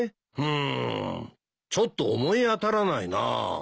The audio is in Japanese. うんちょっと思い当たらないな。